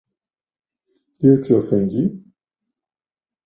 Eu te ofendi?